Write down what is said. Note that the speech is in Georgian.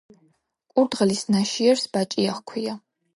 კურდღლის ნაშიერს ბაჭია ჰქვია.